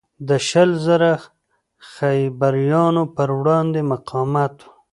د شل زره خیبریانو پروړاندې مقاومت و.